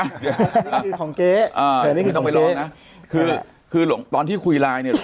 นี่คือของเจ๊อ่านี่คือของเจ๊ไม่ต้องไปลองนะคือคือตอนที่คุยลายเนี่ย